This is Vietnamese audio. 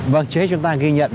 vâng chế chúng ta ghi nhận